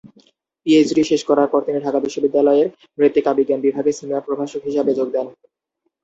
PhD শেষ করার পর তিনি ঢাকা বিশ্ববিদ্যালয়ের মৃত্তিকা বিজ্ঞান বিভাগে সিনিয়র প্রভাষক হিসাবে যোগ দেন।